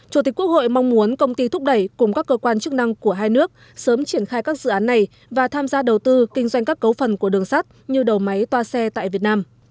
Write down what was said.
chủ tịch quốc hội mong muốn công ty thúc đẩy cùng các cơ quan chức năng của hai nước sớm triển khai các dự án này và tham gia đầu tư kinh doanh các cấu phần của đường sắt như đầu máy toa xe tại việt nam